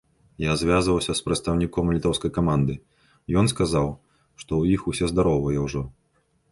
Я звязваўся з прадстаўніком літоўскай каманды, ён сказаў, што ў іх усе здаровыя ўжо.